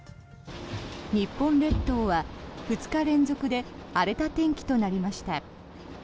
日本列島は２日連続で荒れた天気となりました。